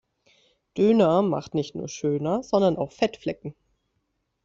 Döner macht nicht nur schöner sondern auch Fettflecken.